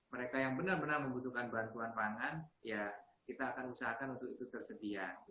mereka yang benar benar membutuhkan bantuan pangan ya kita akan usahakan untuk itu tersedia